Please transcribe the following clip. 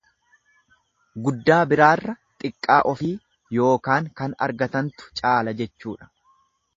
Guddaa biraarra xiqqaa ofii ykn kan argatantu caala jechuudha.